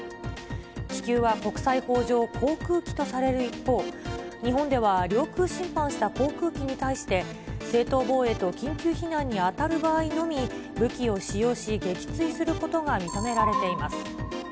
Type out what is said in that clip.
気球は国際法上、航空機とされる一方、日本では領空侵犯した航空機に対して、正当防衛と緊急避難に当たる場合のみ、武器を使用し撃墜することが認められています。